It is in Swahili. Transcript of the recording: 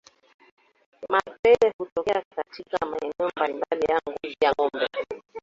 Mapele hutokea katika maeneo mbalimbali ya ngozi ya ngombe